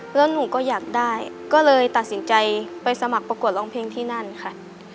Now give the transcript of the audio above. แล้วหนูก็อยากได้ก็เลยตัดสินใจไปสมัครประกวดร้องเพลงที่นั่นค่ะ